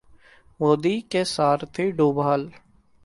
मोदी के सारथी डोभाल